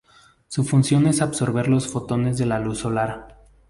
Su función es absorber los fotones de la luz solar.